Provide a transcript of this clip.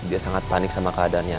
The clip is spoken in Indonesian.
dia sangat panik sama keadaannya